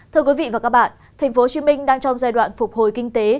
thưa quý vị và các bạn tp hcm đang trong giai đoạn phục hồi kinh tế